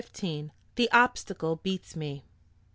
THE OBSTACLE BEATS ME.